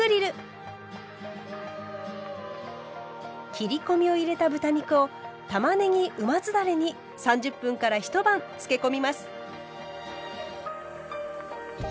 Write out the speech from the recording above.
切り込みを入れた豚肉をたまねぎうま酢だれに３０分から一晩つけ込みます。